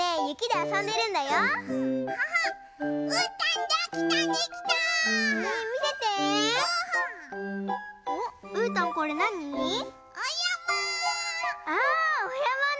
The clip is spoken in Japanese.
あおやまね。